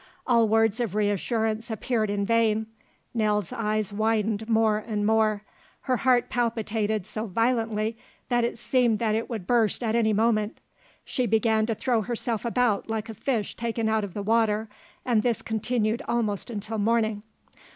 All words of reassurance appeared in vain. Nell's eyes widened more and more. Her heart palpitated so violently that it seemed that it would burst at any moment. She began to throw herself about like a fish taken out of the water, and this continued almost until morning.